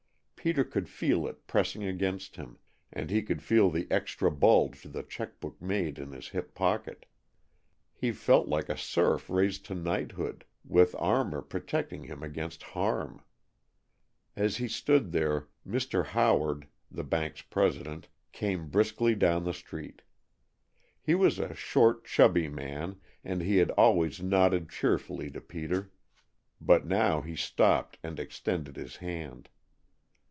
Peter could feel it pressing against him, and he could feel the extra bulge the check book made in his hip pocket. He felt like a serf raised to knighthood, with armor protecting him against harm. As he stood there, Mr. Howard, the bank's president, came briskly down the street. He was a short, chubby man, and he had always nodded cheerfully to Peter, but now he stopped and extended his hand.